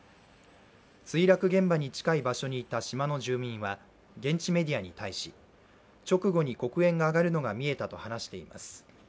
墜落現場に近い場所にいた島の住民は現地メディアに対し、直後に黒煙が上がるのが見えたと話しています。